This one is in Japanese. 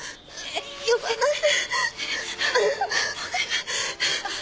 呼ばないで。